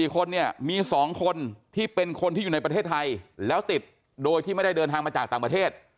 ๔คนเนี่ยมี๒คนที่เป็นคนที่อยู่ในประเทศไทยแล้วติดโดยที่ไม่ได้เดินทางมาจากต่างประเทศ